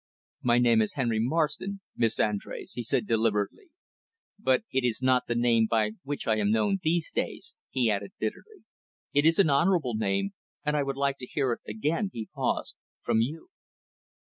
"My name is Henry Marston, Miss Andrés," he said deliberately. "But it is not the name by which I am known these days," he added bitterly. "It is an honorable name, and I would like to hear it again " he paused "from you."